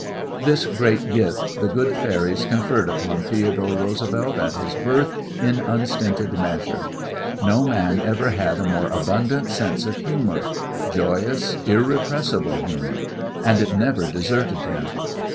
This great gift the good fairies conferred upon Theodore Roosevelt at his birth in unstinted measure. No man ever had a more abundant sense of humor joyous, irrepressible humor and it never deserted him.